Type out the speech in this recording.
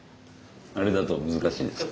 あれだと難しいですか？